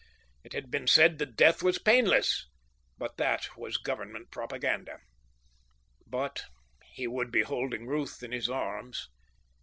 It had been said the death was painless, but that was Government propaganda. But he would be holding Ruth in his arms.